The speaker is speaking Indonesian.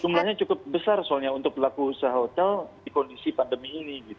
jumlahnya cukup besar soalnya untuk pelaku usaha hotel di kondisi pandemi ini